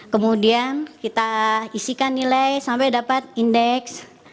kemudian kita isikan nilai sampai dapat indeks